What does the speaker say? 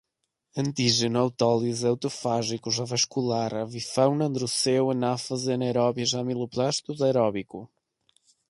antígeno, autólise, autofágicos, avascular, avifauna, androceu, anáfase, anaeróbias, amiloplastos, aeróbico